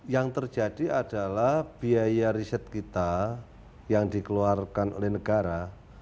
yang terjadi adalah biaya riset kita yang dikeluarkan oleh negara